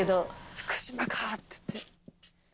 「福島かぁ」って言ってる。